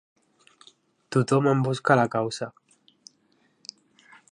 Tothom en busca la causa.